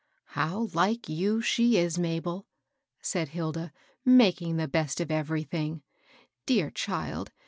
^^ How ^ like you she is, iM^bel," said Hilda, " making the best of everything. Dear child